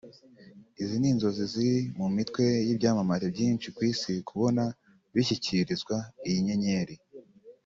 Izi ni inzozi ziri mu mitwe y’ibyamamare byinshi ku isi kubona bishyikirizwa iyi nyenyeri